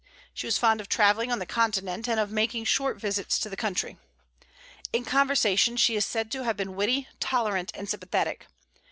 She was fond of travelling on the Continent, and of making short visits to the country. In conversation she is said to have been witty, tolerant, and sympathetic.